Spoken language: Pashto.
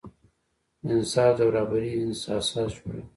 انصاف د برابري اساس جوړوي.